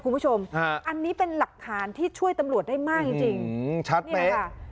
คุณผู้ชมฮะอันนี้เป็นหลักฐานที่ช่วยตำรวจได้มากจริงจริงชัดเนี่ยค่ะ